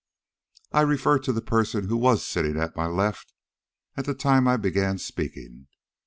"I refer to the person who was sitting at my left at the time I began speaking.